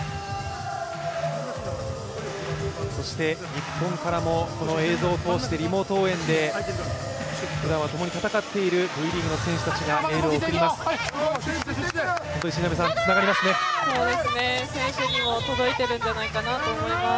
日本からもこの映像を通してリモート応援でふだんはともに戦っているＶリーグの選手たちがエールを送ります。